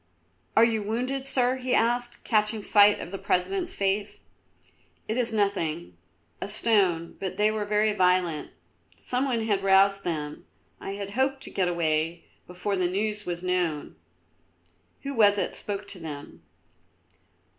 "Are you wounded, Sir?" he asked, catching sight of the President's face. "It is nothing, a stone; but they were very violent. Some one had roused them; I had hoped to get away before the news was known. Who was it spoke to them?"